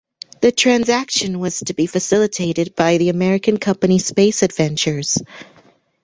The transaction was to be facilitated by the American company Space Adventures.